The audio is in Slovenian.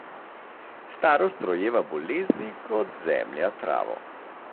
Starost rojeva bolezni kot zemlja travo.